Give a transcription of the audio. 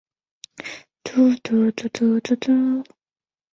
可以从任何大小以电脑和网际网路为基础的设备查看或存取网页。